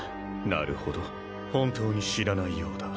なるほど本当に知らないようだ